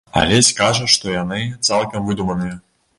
Алесь кажа, што яны цалкам выдуманыя.